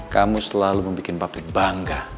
kamu selalu membuat pabrik bangga